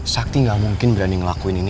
sakti gak mungkin berani ngelakuin ini